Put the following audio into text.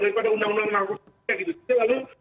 daripada undang undang menangkutnya gitu